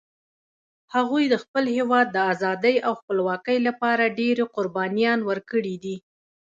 هغوی د خپل هیواد د آزادۍ او خپلواکۍ لپاره ډېري قربانيان ورکړي دي